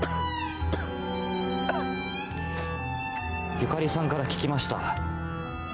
ゆかりさんから聞きました。